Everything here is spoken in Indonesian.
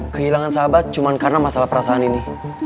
kehilangan sahabat cuma karena masalah perasaan ini